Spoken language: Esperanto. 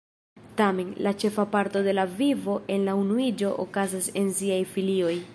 Tamen, la ĉefa parto de la vivo en la unuiĝo okazas en siaj filioj.